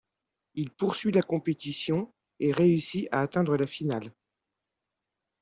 Il poursuit la compétition et réussi à atteindre la finale.